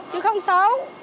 chứ không xấu